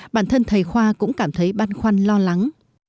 bản thân thầy khoa cũng cảm thấy băn khoăn lo lắng